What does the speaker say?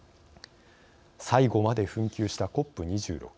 最後まで紛糾したＣＯＰ２６。